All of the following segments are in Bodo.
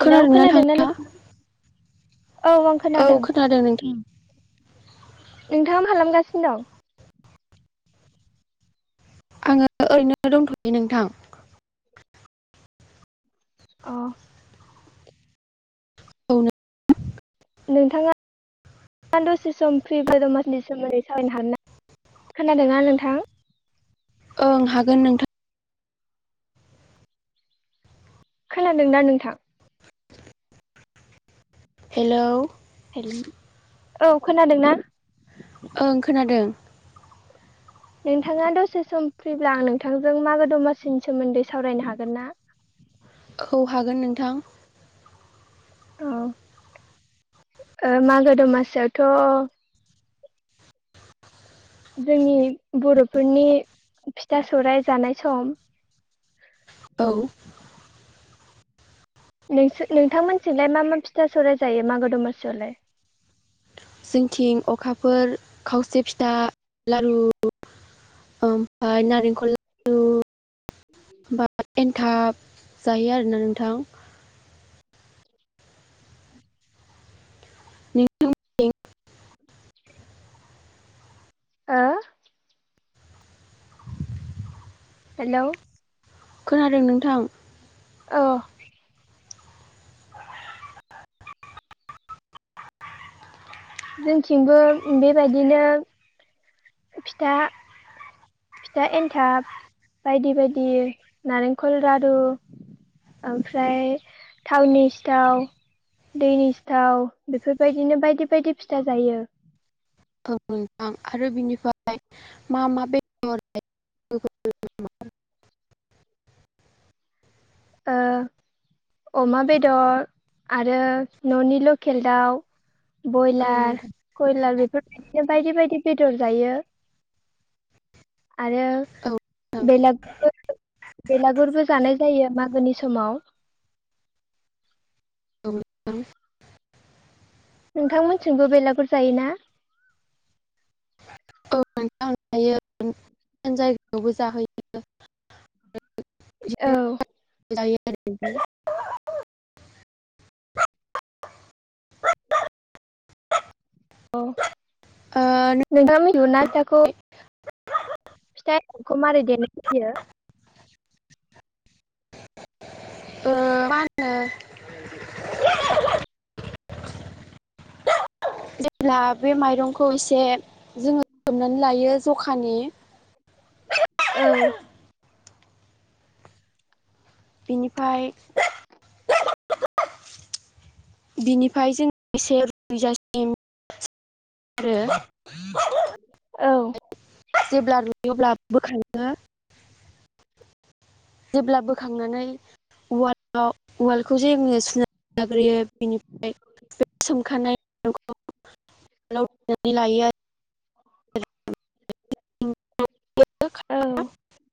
हेलौ खोनादोंना नों नोंथाङा। औ आं औ खोनादों नोंथां नोंथाङा मा खालामगासिनो दं? आङो ओरैनो दंथयो नोंथां अ। औ नों नोंथाङा दसे सम प्रि बा द मासिनि सोमोन्दै सावरायनो हागोन ना? खोनादोंना नोंथां? ओं हागोन नोंथां खोनादोंना नोंथां? हेलौ हेल औ खोनादोंना? ओं खोनादों। नोंथाङा दसे सम फ्रिब्ला आं नोंथांजों मागो दमासिनि सोमोन्दै सावरायनो हागोन ना? औ हागोन नोंथां। ओं ओ मागो दमासियाथ जोंनि बरफोरनि फिथा सौराइ जानाय सम औ नोंसो नोंथांमोनथिंलाय मा मा फिथा सौराय जायो मागो दमासियावलाय जोंथिं अखाफोर खावसे फिथा लारु ओमफाय नारेंखल लारु बा एनथाब जायो आरोना नोंथां [unintelligible] हो हेलौ खोनादों नोंथां औ जोंथिंबो बेबायदिनो फिथा फिथा एन्थाब बायदि बायदि नारेंखल लारु ओमफ्राय टावनि सिटाव दैनि सिथाव बेफोरबायदिनो बायदि बायदि फिथा जायो औ नोंथां आरो बिनिफाय मा मा बेदर [unintelligible] ओ अमा बेदर आरो ननि लकेल दाउ बयलार नोंथां कयलार बेफोर बिदिनो बायदि बायदि बेदर जायो आरो औ नोंथां बेलागुर बेलागुरबो जानाय जायो गोनि समाव [unintelligible] नोंथांमोनथिंबो बेलागुर जायोना? [unintelligible] औ [unintelligible] [unintelligible] [unintelligible] औ ओ नै नोंथां मिथिगौना फिथाखौ [inaudible] फिथाखौ मारै देनाय जायो ओ मा होनो [inaudible] जेब्ला बे माइरंखौ एसे जोङो सोमनानै लायो जखानि [unintelligible] औ बिनिफ्राय बिनिफ्राय जों एसे [unintelligible] आरो औ [unintelligible] जेब्ला बोखांनानै उवालाव उवाल [unintelligible] [unintelligible] आरो औ।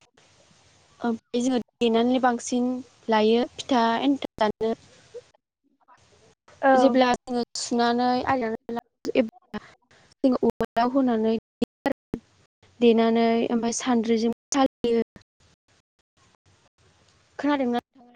[unintelligible] लायो फिथा एन्थाब जानो [inaudible] औ जेब्ला [unintelligible] [unintelligible] देनानै ओमफ्राय सान्द्रिजों [unintelligible] खोनादों ना